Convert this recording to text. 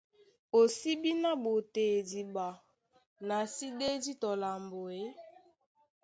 O sí bí ná ɓotea idiɓa, na sí ɗédi tɔ lambo e?